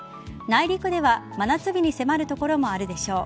内陸では真夏日に迫る所もあるでしょう。